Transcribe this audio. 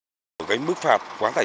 hoặc là chúng tôi cưng quyết xử lý